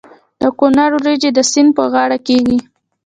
د کونړ وریجې د سیند په غاړه کیږي.